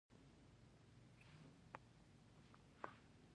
مصنوعي ځیرکتیا د محرمیت موضوع جدي کوي.